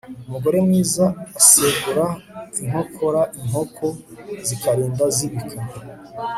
umugore mwiza asegura inkokora inkoko zikarinda zibika